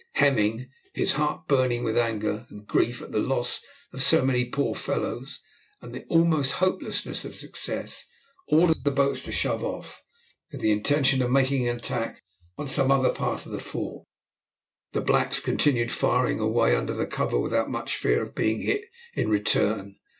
Hemming, his heart burning with anger and grief at the loss of so many poor fellows and the almost hopelessness of success, ordered the boats to shove off, with the intention of making an attack on some other part of the fort. The blacks continued firing away under cover without much fear of being hit in return.